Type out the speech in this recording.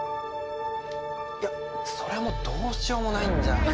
いやそれもうどうしようもないんじゃ。